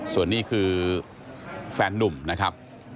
ส่วนนี้คือแฟนนุ่มนะครับ